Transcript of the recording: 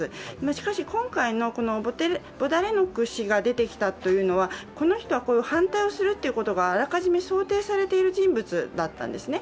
しかし、今回のホダレノク氏が出てきたというのはこの人は反対をすることがあらかじめ想定されている人物だったんですね。